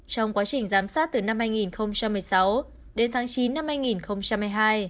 trong quá trình giám sát từ năm hai nghìn một mươi sáu đến tháng chín năm hai nghìn hai mươi hai